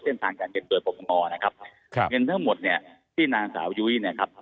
เส้นทางการเงินโดยปรปงนะครับครับเงินทั้งหมดเนี่ยที่นางสาวยุ้ยเนี่ยครับ